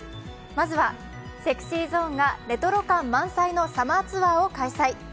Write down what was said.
まずはＳｅｘｙＺｏｎｅがレトロ感満載のサマーツアーを開催。